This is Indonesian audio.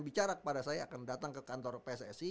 bicara kepada saya akan datang ke kantor pssi